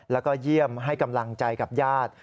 แล้วก็เยี่ยมให้กำลังใจกับญาติ